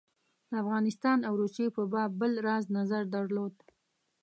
د افغانستان او روسیې په باب بل راز نظر درلود.